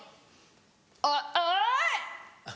「おっおい！」。